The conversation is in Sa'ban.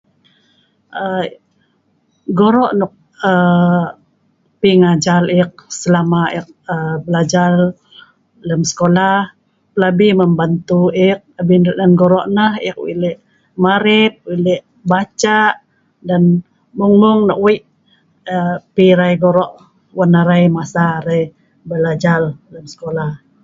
Aa.. gorok nok aa.. pi ngajar e’ik selama e’ik aa..belajar lem sekola, plabi membantu e’ik abin erat ngen gorok neh e’ik we’ik lek maret, we’ik lek bacak dan mung-mung nok we’ik aa.. pi e’rai gorok wan arei masa arei belajar lem sekola